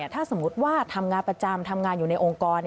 ถ้าสมมุติว่าทำงานประจำทำงานอยู่ในองค์กร